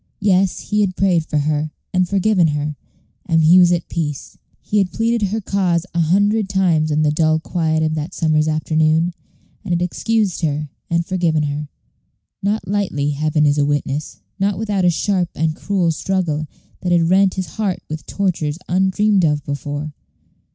Yes, he had prayed for her, and forgiven her, and he was at peace. He had pleaded her cause a hundred times in the dull quiet of that summer's afternoon, and had excused her, and forgiven her. Not lightly, Heaven is a witness; not without a sharp and cruel struggle, that had rent his heart with tortures undreamed of before.